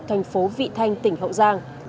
thành phố vị thanh tỉnh hậu giang